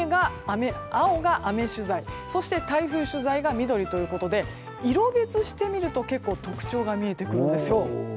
青が雨取材そして台風取材が緑ということで色別にしてみると特徴が見えてくるんです。